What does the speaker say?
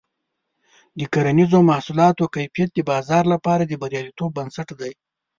د کرنیزو محصولاتو کیفیت د بازار لپاره د بریالیتوب بنسټ دی.